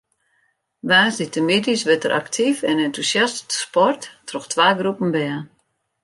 Woansdeitemiddeis wurdt der aktyf en entûsjast sport troch twa groepen bern.